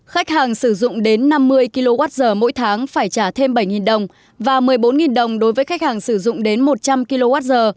khách hàng sử dụng đến năm mươi kwh mỗi tháng phải trả thêm bảy đồng và một mươi bốn đồng đối với khách hàng sử dụng đến một trăm linh kwh